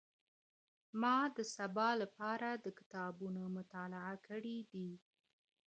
ما د سبا لپاره د کتابونو مطالعه کړي دي